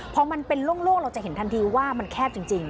พอมันเป็นโล่งเราจะเห็นทันทีว่ามันแคบจริง